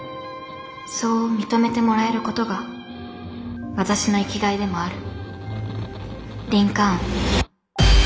そう認めてもらえることが私の生きがいでもある。